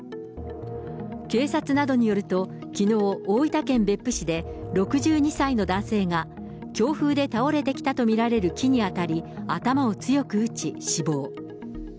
警察などによると、きのう、大分県別府市で、６２歳の男性が強風で倒れてきたと見られる木に当たり、頭を強く打ち死亡。